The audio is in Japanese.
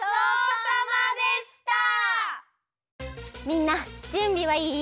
みんなじゅんびはいい？